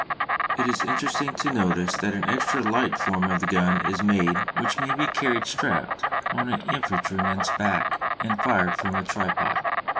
It is interesting to notice that an extra light form of the gun is made which may be carried strapped on an infantryman's back and fired from a tripod.